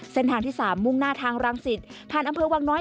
เส้นทางที่๓มุ่งหน้าทางรังสิตผ่านอำเภอวังน้อย